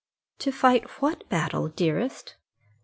"To fight what battle, dearest?"